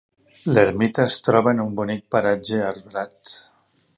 L'ermita es troba en un bonic paratge arbrat.